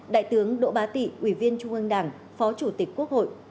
đại tướng đỗ bá tị ủy viên trung ương đảng phó chủ tịch quốc hội